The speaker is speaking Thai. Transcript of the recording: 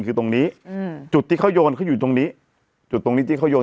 คือตรงนี้อืมจุดที่เขาโยนเขาอยู่ตรงนี้จุดตรงนี้ที่เขาโยน